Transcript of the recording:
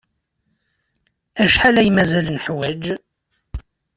Acḥal ay mazal neḥwaj?